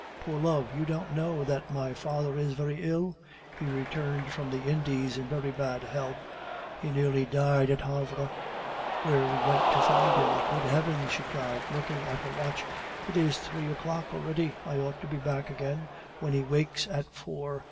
Poor love, you don't know that my father is very ill? He returned from the Indies in very bad health. He nearly died at Havre, where we went to find him. Good heavens!" she cried, looking at her watch; "it is three o'clock already! I ought to be back again when he wakes at four.